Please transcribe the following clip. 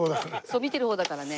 そう見てる方だからね。